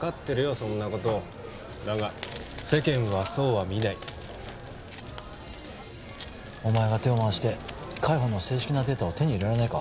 そんなことだが世間はそうは見ないお前が手を回して海保の正式なデータを手に入れられないか？